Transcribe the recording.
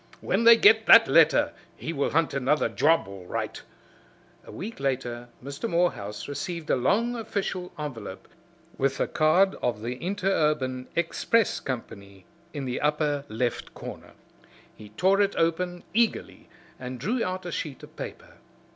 "When they get that letter he will hunt another job, all right!" A week later Mr. Morehouse received a long official envelope with the card of the Interurban Express Company in the upper left corner. He tore it open eagerly and drew out a sheet of paper.